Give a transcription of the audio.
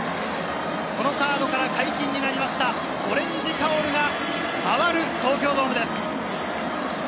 このカードから解禁になりました、オレンジタオルが回る東京ドームです。